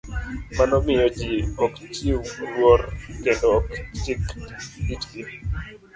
Mano miyo ji ok chiw luor kendo ok chik itgi